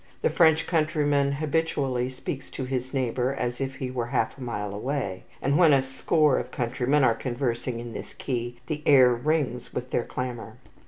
The French countryman habitually speaks to his neighbour as if he were half a mile away; and when a score of countrymen are conversing in this key, the air rings with their clamour.